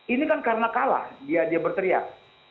ini kan karena kalah dia berteriak